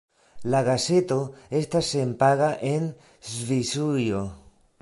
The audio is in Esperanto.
La gazeto estas senpaga en Svisujo.